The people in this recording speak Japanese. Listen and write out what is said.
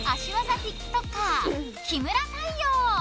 ＴｉｋＴｏｋｅｒ木村太陽！